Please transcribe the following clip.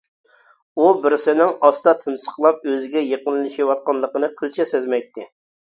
ئۇ بىرسىنىڭ ئاستا تىمىسقىلاپ ئۆزىگە يېقىنلىشىۋاتقانلىقىنى قىلچە سەزمەيتتى.